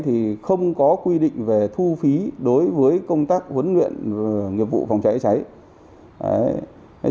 thì không có quy định về thu phí đối với công tác huấn luyện nghiệp vụ phòng cháy cháy